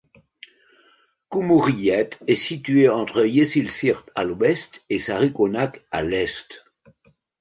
Cumhuriyet est situé entre Yeşilsırt à l'ouest et Sarıkonak à l'est.